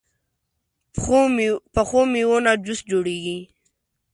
پخو میوو نه جوس جوړېږي